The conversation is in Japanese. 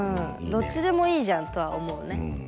どっちでもいいじゃんとは思うね。